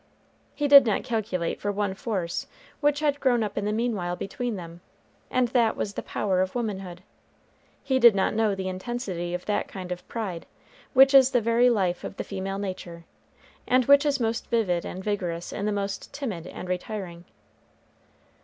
He did not calculate for one force which had grown up in the meanwhile between them, and that was the power of womanhood. He did not know the intensity of that kind of pride, which is the very life of the female nature, and which is most vivid and vigorous in the most timid and retiring.